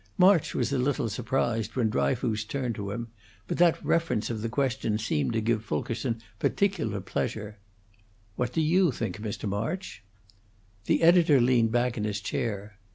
March was a little surprised when Dryfoos turned to him, but that reference of the question seemed to give Fulkerson particular pleasure: "What do you think, Mr. March?" The editor leaned back in his chair.